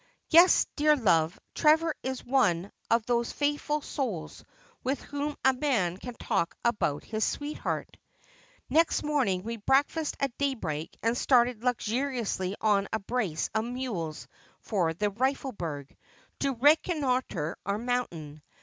Yes, dear love, Trevor is just one of those faithful souls with whom a man can talk about his sweetheart. ' Next morning we breakfasted at daybreak and started luxuriously on a brace of mules for the RifEelberg, to recon noitre our mountain.